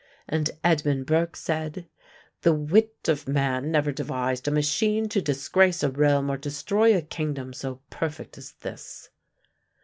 And Edmund Burke said: "The wit of man never devised a machine to disgrace a realm or destroy a kingdom so perfect as this."